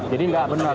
jadi nggak benar